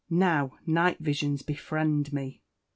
Now, night visions befriend me!